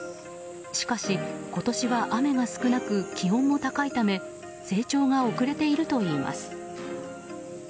しかし今年は雨が少なく気温も高いため成長が遅れているといいます。